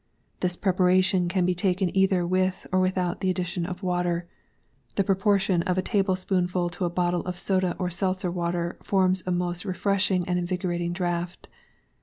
This preparation can be taken either with or without the addition of water. The proportion of a table spoonful to a bottle of Soda or Seltzer Water, forms a most refreshing and invigorating draught.